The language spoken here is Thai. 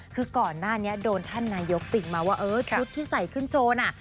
คือก่อนหน้านี้โดนท่านนายกติ่งมาว่าเออชุดที่ใส่ขึ้นโชว์น่ะ